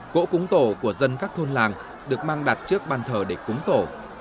gỗ cúng tổ của dân các thôn làng được mang đặt trước ban thờ để cúng tổ